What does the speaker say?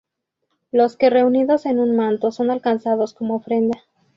Los que reunidos en un manto, son alcanzados como ofrenda.